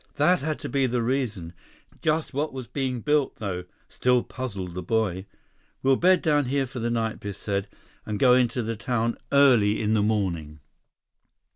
That had to be the reason. Just what was being built, though, still puzzled the boy. "We'll bed down here for the night," Biff said, "and go into the town early in the morning."